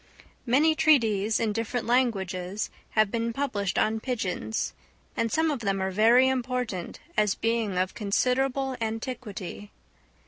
Many treatises in different languages have been published on pigeons, and some of them are very important, as being of considerable antiquity.